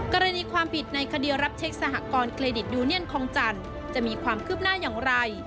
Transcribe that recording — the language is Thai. กรณีความผิดในคดีรับเช็คสหกรณเครดิตยูเนียนคลองจันทร์จะมีความคืบหน้าอย่างไร